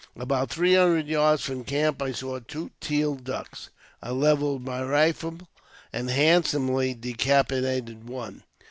About three hundred yards from camp I saw two teal ducks ; I levelled my rifle, and handsomely decapitated one.